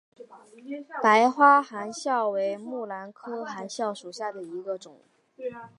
白花含笑为木兰科含笑属下的一个种。